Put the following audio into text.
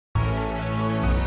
sama menang dia